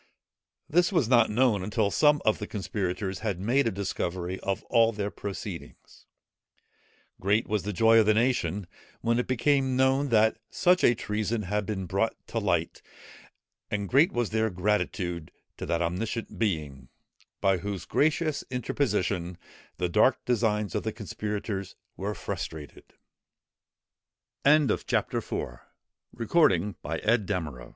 This was not known until some of the conspirators had made a discovery of all their proceedings. Great was the joy of the nation when it became known that such a treason had been brought to light, and great was their gratitude to that omniscient Being, by whose gracious interposition, the dark designs of the conspirators were frustr